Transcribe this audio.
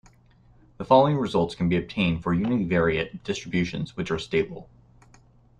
The following results can be obtained for univariate distributions which are stable.